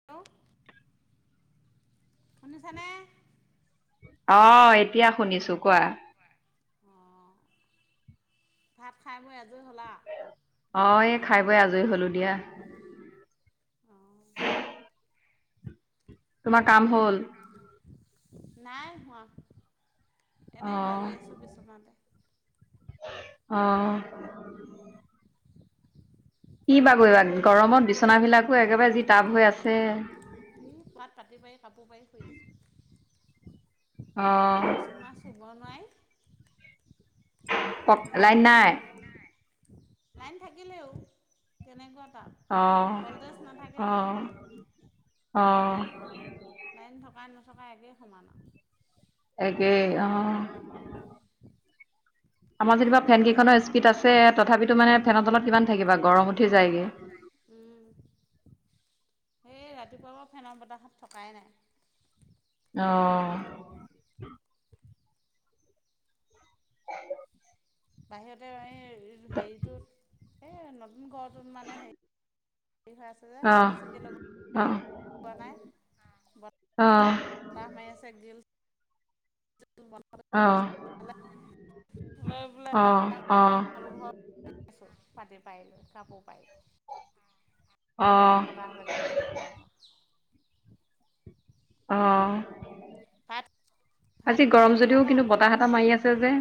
Hello. শুনিছানে? অ', এতিয়া শুনিছো কোৱা। অ', ভাত খাই বৈ আজৰি হ'লা? অ', এই খাই বৈ আজৰি হ'লোঁ দিয়া। অ'। তোমাৰ কাম হ'ল? নাই হোৱা, এনে অঁ বাগৰি আছোঁ বিছনাতে। অ'। কি বাগৰিবা তোমাৰ? গৰমত বিচনাবিলাকো একেবাৰে যি তাপ হৈ আছে। ই পকাত পাতি পাৰি কাপোৰ পাৰি শুই আছোঁ। অঁ বিচনা চোব নোৱাৰি। পক লাইন কেনেকুৱা নাই গৰম, নাই লাইন থাকিলেও কেনেকুৱা তাপ। অঁ ভল্টেজ নাথাকে যে অ'। অ'। লাইন থকাই নথকাই একে সোমান আৰু। একেই অহ। উম। আমাৰ যেনিবা ফেন কেইখনৰ স্পীড ফেনকেইখনৰ আছে স্পীড আছে, তথাপিতো মানে ফেনৰ তথাপিতো তলত কিমান থাকিবা গৰম উঠি যায়গে। সেই ৰাতিপুৱা পৰা ফেনৰ বতাহত থকাই নাই। অ'। বাহিৰতে এই হেৰিটোত এই নতুন ঘৰটোত মানে হেৰি হেৰি হৈ আছে যে অঁ খিৰিকি চিৰিকি লগ অঁ লগোৱা নাই। অ'। বতাহ মাৰি আছে গিল [inaudible] অ', দিছোঁ লৈ অ', অ'। শুই আছো পাতি পাৰি লৈ কাপোৰ পাৰি। অঁ ধুনীয়া বতাহ লাগে যদি অকন। অ', ভাত আজি গৰম কিহেদি যদিও খালা কিন্তু বতাহ মাৰি আছে যে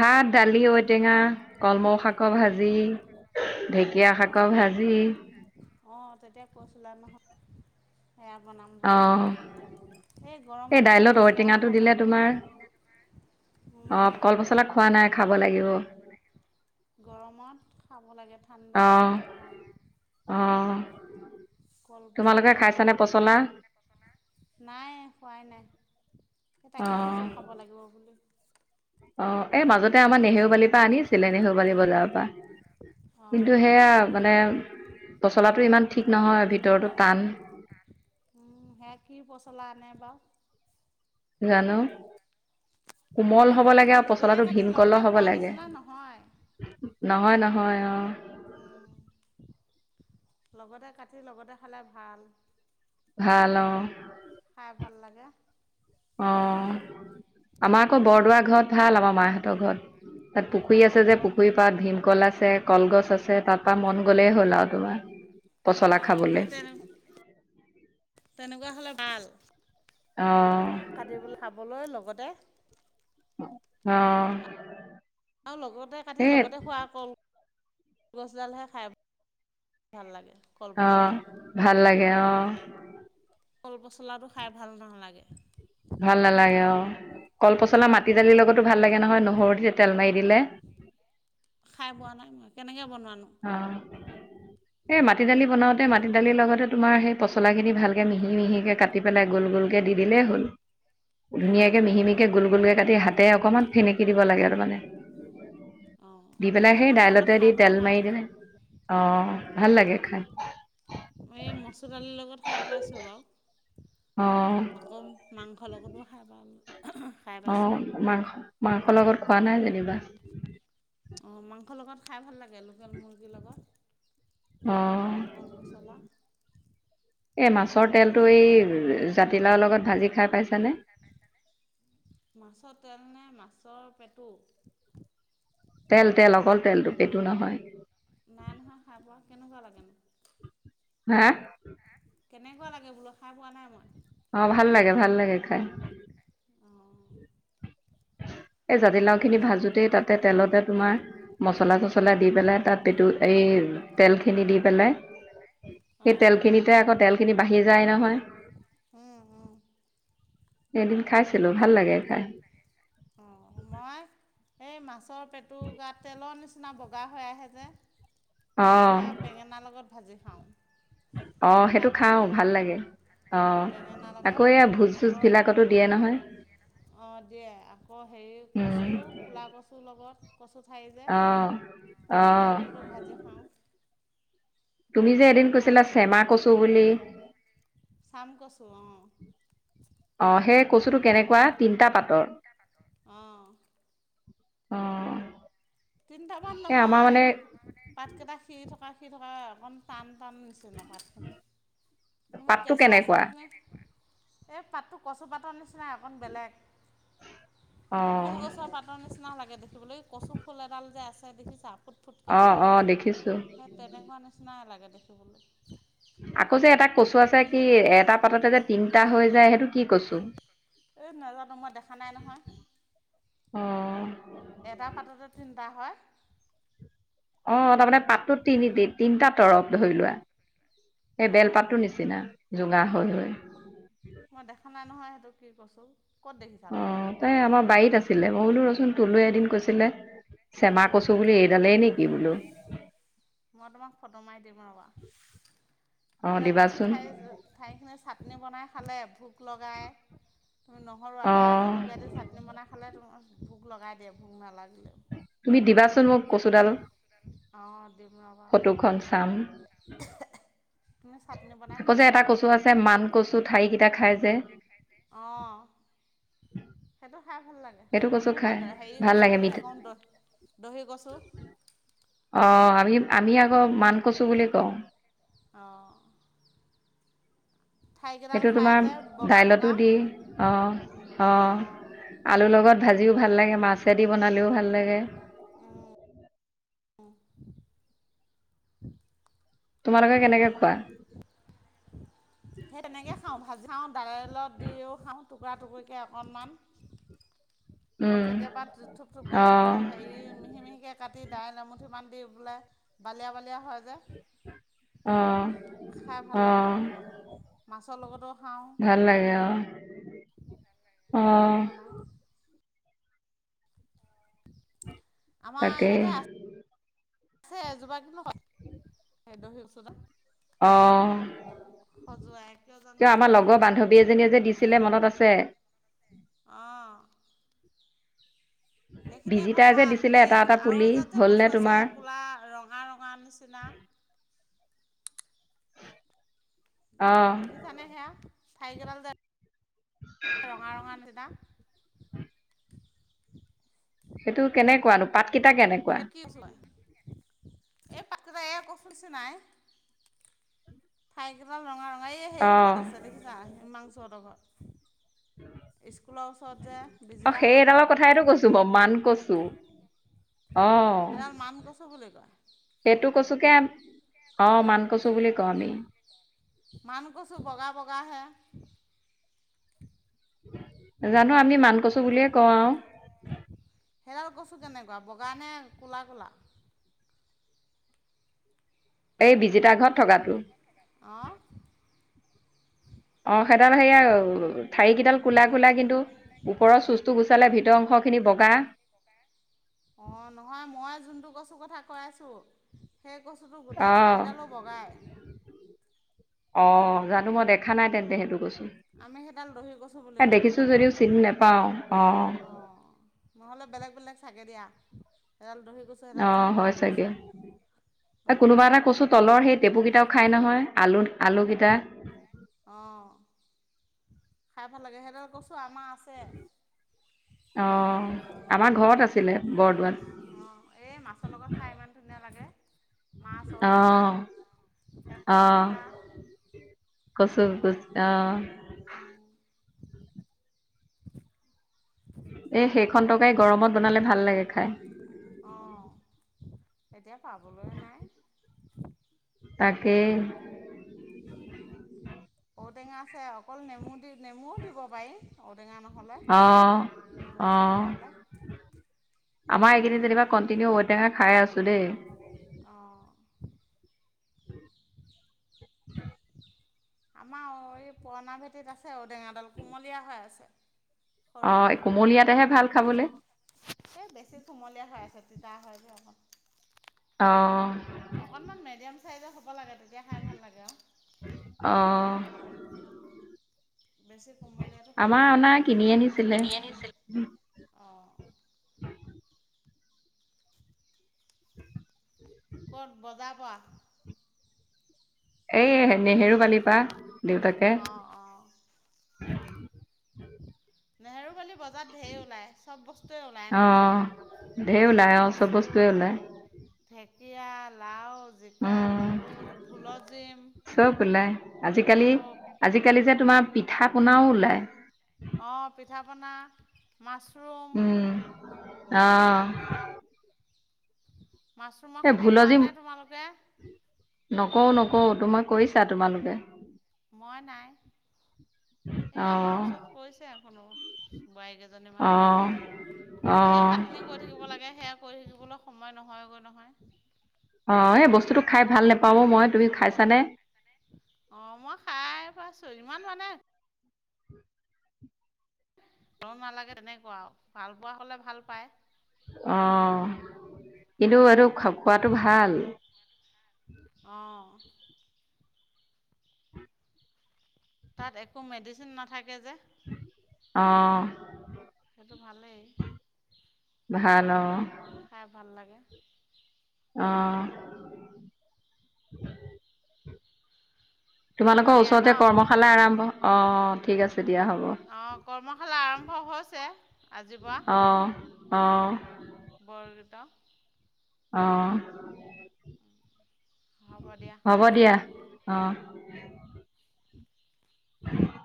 ভাত দালি ঔ ঔটেঙা, কলমৌ শাকৰ ভাজি ঢেকীয়া শাকৰ ভাজি। অ', তেতিয়া কৈছিলা নহয় সেয়া বনাম অ বুলি অ'। এই গৰমত কল দাইলত পচলাহে ঔটেঙাটো খাব দিলে লাগে। তোমাৰ উম, অ', কল পচলা খোৱা নাই খাব লাগিব। গৰমত খাব লাগে অ ঠাণ্ডা হয় যে ভাল। অ'। তোমালোকে কলপচলা, খাইছানে টেঙা পচলা নাই খোৱাই নাই, সেই অ তাকেই কৈছোঁ খাব লাগিব বুলি। অ, এই মাজতে কল আমাৰ নেহৰুবালিৰ পচলা পৰা আনিছিলে, নেহৰুবালি বজাৰৰ পৰা। অঁ কিন্তু সেয়া মানে, পচলাটো ইমান ঠিক নহয়, ভিতৰতো টান। সেয়া কি, পচলা আনে বাৰু জানো, কোমল হ'ব লাগে লগতে পচলাটো কাটি লগতে ভীমকলৰ হ'ব খোৱাৰ লাগে, নিচিনা নহয় নহয়, নহয়, অ, উম, লগতে কাটি, লগতে খালে ভাল। ভাল অ, খাই ভাল লাগে। অ, আমাৰ আকৌ বৰদোৱা ঘৰত ভাল, আমাৰ মাহঁতৰ ঘৰত। তাত পুখুৰী অঁ আছে যে, ঘৰ পুখুৰীৰ পত ভীমকল আছে কলগছ আছে, তাৰপ পৰা মন গ'লেই হ'ল আৰু তোমাৰ। পচলা অঁ খাবলৈ। সেই তেনে তেনেকুৱা হ'লে ভাল। অ, কাটিবলৈ, খাবলৈ লগতে। অ, আৰু লগতে কাটি, এই লগতে খোৱা ক'ল। গছডালহে, খাই ভাল লাগে। কল অ, পচলা ভাল লাগে অ, কল পচলাটো, খাই ভাল নালাগে। ভাল নালাগে অ কল উম পচলা মাটি দালিৰ লগতো ভাল লাগে নহয় নহৰু দি তেল মাৰি দিলে। খাই পোৱা নাই মই, কেনেকৈ বনোৱানো? অ এই মাটি দালি বনাওতে, মাটি দালিৰ লগতে তোমাৰ সেই পচলা খিনি ভালকে মিহি-মিহিকে কাট কাতি পেলাই গোল, গোলকৈ, দি দিলেই হ'ল। ধুনীয়াকে অঁ মিহি- মিহিকি, গোল-গোলকে কাটি হাতে অকমান ফেনেকি দিব লাগে তাৰ মানে। অঁ দি পেলাই সেই, মাটিমাহৰ লগত দাইলতে খাই দি পোৱা তেল নাই মাৰি দিলে অ, ভাল লাগে খাই। অ, এই মচুৰ দালিৰ লগত, খাই পাইছোঁ বাৰু। অ, আকৌ মাংসৰ লগতো, খাই পাল। অ, মাংস, মাংসৰ লগত খোৱা নাই যেনিবা। অ, মাংসৰ লগত খাই ভাল লাগে। লোকেল মুৰ্গীৰ লগত। অ, কল পচলা এই, মাছৰ তেলটো এই জাতিলাওৰ লগত ভাজি খাই পাইছানে? মাছৰ তেল নে, মাছৰ পেটু? তেল, তেল অকল তেলটো, পেটু নহয়। নাই, নহয় খাই পোৱা, কেনেকুৱা লাগেনো? হা, কেনেকুৱা লাগে বোলো, খাই পোৱা নাই মই। অ, ভাল লাগে, ভাল লাগে, খাই। অ, [inaudible] এই জাতিলাও খিনি মাছত ভাজোতেই তাতে তেলতে তোমাৰ, মচলা-চচলা দি পেলাই তাত পিটু এই তেল খিনি দি পেলাই, সেই অঁ তেলখিনিতে আকৌ, তেল খিনি বাঢ়ি যায় নহয়। উম, উম। এদিন খাইছিলোঁ, ভাল লাগে খাই। অ', মই এই মাছৰ পেটু গাত, তেলৰ নিচিনা বগা হৈ আহে যে অঁ সেয়া বেঙেনাৰ লগত ভাজি খাওঁ। অ', সেইটো খাওঁ, ভাল লাগে, অ'। বেঙেনাৰ আকৌ লগত এই ভোজ চোজবিলাকতো দিয়ে নহয়। অ', দিয়ে, আকৌ হেৰি কচু, ক'লা কচু লগত কচু ঠাৰি যে, অঁ অঁ সেয়ালোকতো ভাজি খাওঁ। তুমি যে এদিন খাই কৈছিলা ভাল চেমা লাগে কচু বুলি চাম কচু, অ'। অ', সেই কচুটো কেনেকুৱা তিনটা পাতৰ অঁ অ'। তিনিটামান নহয়, পাতকেইটা সি থকা, সি থকা অকণ টান টান নি পাতটো কেঁচা কেনেকুৱা চাটনিত এই পাতটো কচু পাতৰ নিচিনা অকণ বেলেগ, অঁ ফুলগছৰ পাতৰ নিচিনা লাগে দেখিবলৈ, কচু ফুল এডাল যে আছে দেখিছা? ফুট ফুটকে অঁ হয়। অঁ দেখিছোঁ তেনেকুৱা নিচিনাই লাগে দেখিবলৈ আকৌ যে এটা কচু আছে, কি? এটা পাততে যে তিনিটা হৈ যায়, সেইটো কি কচু? এই নাজানোঁ, মই দেখা নাই নহয়। অ'। এটা পাততে তিনিন্তা হয়। অ', তাৰমানে পাতটোত তিন, তিনিটা তৰৱ ধৰি লোৱা। এই অঁ বেলপাতৰ নিচিনা, জোঙা হৈ হৈ মই দেখা নাই নহয় সেইটো কি কচু? ক'ত দেখিছা অ তুমি? তাই আমাৰ বাৰীত আছিলে, মই বোলো ৰচোন তুলুৱে এদিন কৈছিলে চেমা কচু বুলি এডালেই নেকি বোলো মই তোমাক ফটো মাৰি দিম ৰ'বা অ হেইৰাল কচু দিবাচোন ঠাই ঠাইখিনি চাটনি বনাই খালে, ভোক লগায় তুমি নহৰু অ আদটা জলকীয়া দি চাটনি বনাই খালে তোমাৰ ভোক লগাই দিয়ে ভোগ নালাগিলে তুমি দিবাচোন মোক কচুডাল [unintelligible] অ'। [unintelligible] ফটোখন চাম তুমি চাটনি বনাই আকৌ খাব যে এটা পাৰিবা, [unintelligible] কচু আছে মান মান ঠাৰিকেইটা খাই যে ঠাৰি কেইটা অ', সেইটো খাই ভাল লাগে। সেইটো কচু আমি খাই কওঁ হেৰি ভাল কচু লাগে বুলি হে মিঠা কওঁ, দহি কচু অ', আমি আমি আকৌ মান কচু বুলি কওঁ। অ'। সেইটো খাই তোমাৰ যে বগা দাইলতো বগা দি, অ', অ'। অঁ অঁ আলুৰ লগত ভাজিও ভাল লাগে, মাছেদি বনালেও ভাল লাগে। উম। অ'। হম। তোমালোকে কেনেকে খোৱা? সেই তেনেকৈ খাওঁ, ভাজি খাওঁ, দাইলত দিও খাওঁ টুকুৰা টুকুকৈ অকণমান আকৌ কেতিয়াবা উম থোপ থুপকৈ অঁ হেৰি, মিহি মিহিকৈ কাটি দাইল এমুঠিমান দি পেলাই বালিয়া বালিয়া হয় যে অঁ খাই ভাল অঁ লাগে, মাছৰ লগতো খাওঁ। ভাল লাগে অঁ। তাকে অঁ তেনেকে বনাই। আমাৰ তাকেই ইয়াতে আ ছে এজোপা কিন্তু [inaudible] অ [unintelligible] খজোৱাই কিয় কিয় জানো আমাৰ লগৰ বান্ধৱী এজনীয়ে যে দিছিলে মনত আছে? অঁ সেইখিনি আকৌ বিজিতাই যে ভাল, দিছিলে এই এটা এটা পুলি আৰু জাত যে হ'লনে কচু আছে, তোমাৰ কোলা ৰঙা ৰঙা নিচিনা। অঁ দেখিছা নে সেয়া ঠাৰি কেইদাল যে ৰঙা ৰঙা নিচিনা। সেইটো কেনেকুৱা নো পাতকেইটা কেনে খেতিক লয়, এই পাত কেইতা এইয়া কচু নিচিনাই। ঠাৰি কেইডাল ৰঙা ৰঙা এই সেইহঁতৰ অঁ ঘৰত আছে দেখিছা, হিমাংসুহঁতৰ ঘৰত। স্কুলৰ ওচৰত যে বিজিতা হঁতৰ ঘৰত তোমাৰ মান কচু অঁহ সেইডাল মান কচু বুলি কয় সেইটো কচুকে অঁ মান কচু বুলি কওঁ আমি। মান কচু বগা বগা হে জানো আমি মান কচু বুলিয়ে কওঁ আও। সেইদাল কচু কেনেকুৱা বগা নে ক'লা ক'লা? এই বিজিতা ঘৰত থকাটো। অঁ অঁ সেইডাল সেয়া ঠাৰিকেইডাল ক'লা ক'লা কিন্তু ওপৰৰ চোচটো গুচালে ভিতৰৰ অংশখিনি বগা। অঁ নহয় মই যোনটো কচুৰ কথা কৈ আছোঁ। সেই কচুটো অ গোটেই ঠাৰিদালো বগাই। অ, জানো মই দেখা নাই তেন্তে সেইটো কচু। আমি সেইডাল দহি কচু বুলি এ কওঁ দেখিছো যদিও চিনি নাপাওঁ, অঁ। অঁ নহ'লে বেলেগ বেলেগ চাগে দিয়া, সেইডাল দহি ক চু অ এডাল চাগে মান হয় কচু, চাগে এ অঁ। কোনোবা এটা কচু তলৰ সেই টেপুকেইটাও খাই নহয়, আলু আলুকেইটা। অঁ, খাই ভাল লাগে, সেইদাল কচু আমাৰ আ অঁ, আমাৰ ঘৰত আছিলে বৰদোৱাত। অঁ এই মাছৰ লগত খাই ইমান ধুনীয়া লাগে। মাছ অ ঔটেঙা হে অ কচুপেটা। কচু কুছ অঁ। উম এ সেইখন টৰকাৰী গৰমত বনালে ভাল লাগে খাই। অঁ, এতিয়া পাবলৈ নাই। তাকে [inaudible] ঔটেঙা আছে, অকল নেমু দি নেমুও দিব পাৰি। ঔটেঙা নহ'লে অ অ নেমু চেপি পেলাই- আমাৰ খাই ভাল এইকেইদিন যেনিবা লাগে কণ্টিনিউ ঔটেঙা খাই আছো দেই। অঁ- আমাৰ এই পুৰণা ভেটিত আছে ঔ টেঙাডাল, কুমলীয়া হৈ আছে। সৰু অ' সৰু কুমলীয়াতেহে ভাল খাবলে। এই বেছি কুমলীয়া হৈ আছে, তিতা হয় যে অকণ। অঁ! অকনমান মিডিয়াম চাইজৰ হ'ব লাগে তেতিয়া খাই ভাল লাগে আও। অঁ! বেছি কোমলীয়াটো খাই আমাৰ ভাল অনা নালাগে কিনি আনিছিলে কিনি আনিছে অঁ। ক'ত বজাৰ পৰা। এই নেহেৰু পালিপা দেউতাকে- অঁ নেহেৰুবালী বজাৰত ধঢেৰ ওলায় চব বস্তুৱে ওলায় অ ন। ঢেৰ ওলাই অ আৰু চব কচু বস্তুৱয়ে ওলায়। ঢেকীয়া লাও জিকা উম ভোল ভোলজিম। চব ওলায় আজিকালি আজিকালি যে তোমাৰ পিঠা পনাও ওলায়। অঁ পিঠা পনা- মাছৰুম ওম! উম অ মাছৰুমৰ এই খেতি কৰা ভোলজি নাই তোমালোকে? নকওঁ নকওঁ তোমাক কৰিছা তোমালোকে? মই নাই এই অ আমাৰ ওচৰত কৰিছে কোনো- বোৱাৰীকেইজনী অ মানে? অ এই ঢেৰ খাতনী। কৈ থাকিব লাগে, সেয়া কৈ থাকিবলৈ সময় নহয়গৈ নহয়। অ' এই বস্তুটো খাই ভাল নাপাওঁ অ' মই। তুমি খাইছানে? অঁ মই খাই পাইছো ইমান মানে- তন নালাগে তেনেকুৱা আৰু ভাল পোৱা হ'লে ভাল পায়। অঁ কিন্তু এইটো খোৱাটো ভাল। অঁ। তাত একো মেডিচিন নাথাকে যে। অঁ! সেইটো ভালেই। ভাল অঁ! খাই ভাল লাগে। অঁ! হ'ব তোমালোকৰ দিয়া ন ওচৰতে কৰ্মশালা আৰম্ভ অঁ ঠিক আছে দিয়া হ'ব। অঁ কৰ্মশালা আৰম্ভ হৈছে আজিৰ পৰা। অঁ! বৰদেউতা। অঁ হ'ব দিয়া হ'ব দিয়া অঁ। [unintelligible]